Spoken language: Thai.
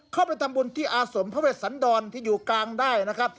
เข้าไปทำบุญที่อาสมพระเวชสันดรที่อยู่กลางได้นะครับ